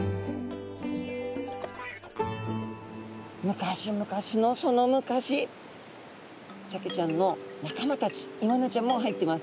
昔昔のその昔サケちゃんの仲間たちイワナちゃんも入ってます。